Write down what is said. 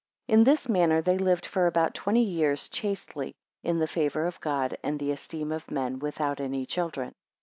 5 In this manner they lived for about twenty years chastely, in the favour of God, and the esteem of men, without any children.